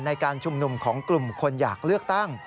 ในการชุมนุมของกลุ่มคนอยากเลือกตั้ง